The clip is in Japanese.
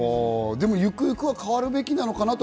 ゆくゆくは変わるべきなのかなという。